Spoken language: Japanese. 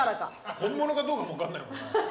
本物かどうかも分かんないもんな。